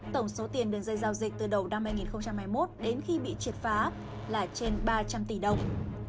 tổng số tiền đường dây giao dịch từ đầu năm hai nghìn hai mươi một đến khi bị triệt phá là trên ba trăm linh tỷ đồng